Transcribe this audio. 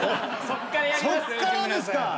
そっからですか？